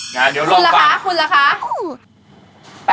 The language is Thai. งานเดี๋ยวลองฟังคุณละคะ